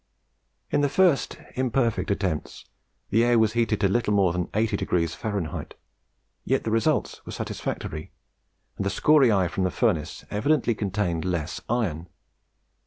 In the first imperfect attempts the air was heated to little more than 80 degrees Fahrenheit, yet the results were satisfactory, and the scoriae from the furnace evidently contained less iron.